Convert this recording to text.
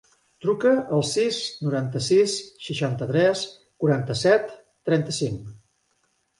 Truca al sis, noranta-sis, seixanta-tres, quaranta-set, trenta-cinc.